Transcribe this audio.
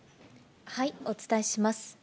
お伝えします。